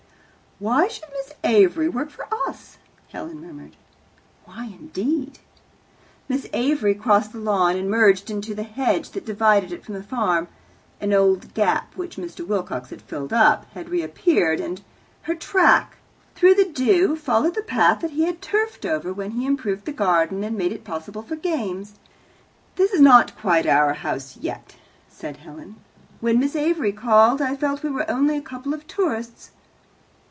"Why should Miss Avery work for us?" Helen murmured. "Why, indeed?" Miss Avery crossed the lawn and merged into the hedge that divided it from the farm. An old gap, which Mr. Wilcox had filled up, had reappeared, and her track through the dew followed the path that he had turfed over, when he improved the garden and made it possible for games. "This is not quite our house yet," said Helen. "When Miss Avery called, I felt we are only a couple of tourists."